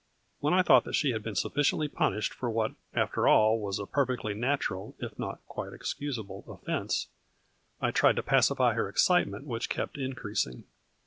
When I thought that she had been sufficiently punished for what after all was a perfectly natural, if not quite excusable, offense, I tried to pacify her excitement, which kept increasing.